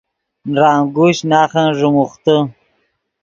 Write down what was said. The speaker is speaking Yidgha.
نرانگوشچ ناخن ݱیموختے